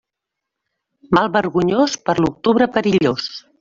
Mal vergonyós, per l'octubre, perillós.